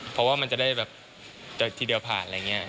เพราะว่ามันจะได้แบบทีเดียวผ่านอะไรอย่างนี้